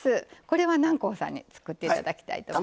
これは南光さんに作って頂きたいと思います。